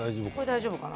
大丈夫かな？